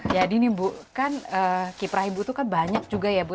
jadi nih bu kan kiprah ibu itu kan banyak juga ya bu